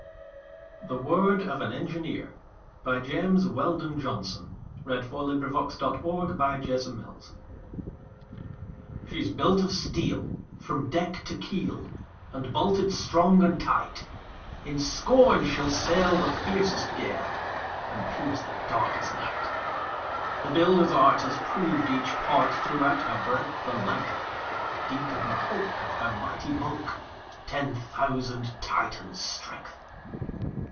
d, And choke and die, while gazing on Its green and watered strand. THE WORD OF AN ENGINEER "She's built of steel From deck to keel, And bolted strong and tight; In scorn she'll sail The fiercest gale, And pierce the darkest night. "The builder's art Has proved each part Throughout her breadth and length; Deep in the hulk, Of her mighty bulk, Ten thousand Titans' strength."